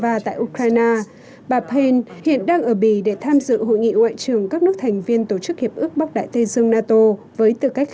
và tại ukraine bà spain hiện đang ở bì để tham dự hội nghị ngoại trưởng các nước thành viên tổ chức hiệp ước bắc đại tây dương nato với tư cách khách mời